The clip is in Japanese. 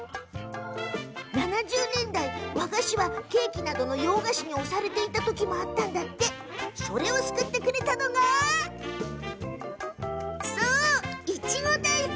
７０年代、ケーキなど洋菓子に押されていたときもあったらしいんだけどそれを救ってくれたのがそう、いちご大福。